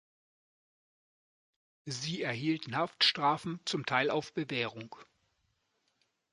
Sie erhielten Haftstrafen, zum Teil auf Bewährung.